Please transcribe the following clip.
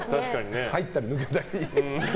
入ったり、抜けたり。